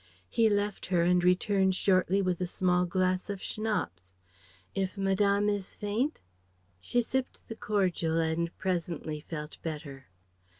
He left her and returned shortly with a small glass of Schnapps. "If Madame is faint ?" She sipped the cordial and presently felt better.